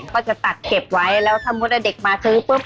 ก็จะตัดเก็บไว้แล้วถ้ามุติเด็กมาซื้อปุ๊บ